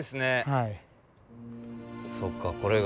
はい。